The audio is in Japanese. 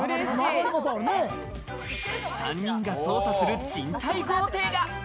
３人が捜査する賃貸豪邸が。